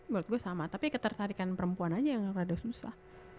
buat gue sama tapi ketertarikan perempuan aja yang agak susah